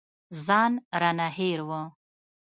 ځان رانه هېر و.